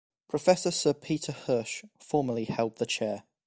Professor Sir Peter Hirsch formerly held the chair.